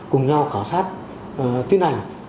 cùng nhau khảo sát tiến hành